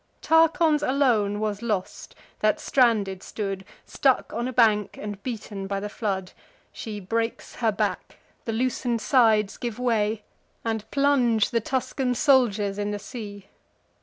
Tarchon's alone was lost, that stranded stood, Stuck on a bank, and beaten by the flood: She breaks her back; the loosen'd sides give way, And plunge the Tuscan soldiers in the sea.